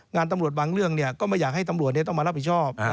งานตำรวจบางเรื่องก็ไม่อยากให้ตำรวจต้องมารับผิดชอบ